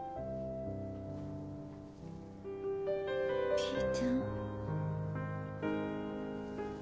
ピーちゃん？